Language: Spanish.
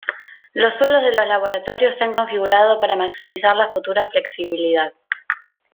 Los suelos de los laboratorios se han configurado para maximizar la futura flexibilidad.